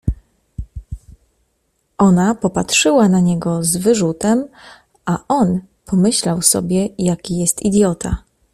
Ona popatrzyła na niego z wyrzutem, a on pomyślał sobie, jaki jest idiota.